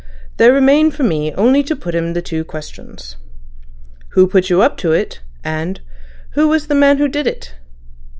There remained for me only to put to him the two questions: Who put you up to it? and Who was the man who did it?